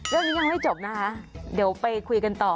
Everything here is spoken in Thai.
เรื่องนี้ยังไม่จบนะคะเดี๋ยวไปคุยกันต่อ